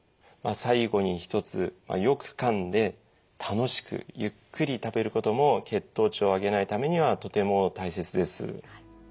最後に一つよくかんで楽しくゆっくり食べることも血糖値を上げないためにはとても大切です。